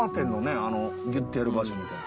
あのギュッてやる場所みたいな。